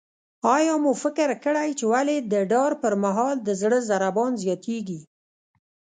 آیا مو فکر کړی چې ولې د ډار پر مهال د زړه ضربان زیاتیږي؟